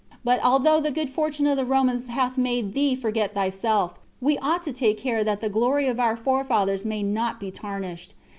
But although the good fortune of the Romans hath made thee forget thyself, we ought to take care that the glory of our forefathers may not be tarnished.